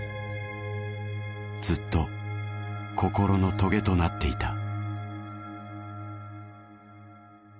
ずっと心のトゲとなっていた。